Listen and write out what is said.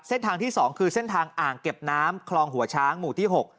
เส้นทางที่๒คือเส้นทางอ่างเก็บน้ำคลองหัวช้างหมู่ที่๖